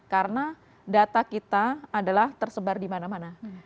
karena data kita adalah tersebar di mana mana